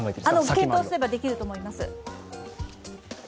検討すればできると思います。